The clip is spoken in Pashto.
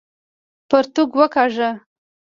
پرتوګ وکاږه!